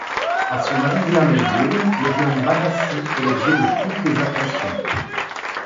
À son arrivée à Melbourne le jeune Barassi est l'objet de toutes les attentions.